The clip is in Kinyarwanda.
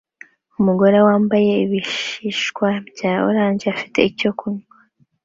Umugore wambaye ibishishwa bya orange afite icyo kunywa